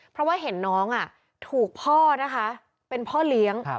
เพราะว่าเห็นน้องถูกพ่อนะคะเป็นพ่อเลี้ยง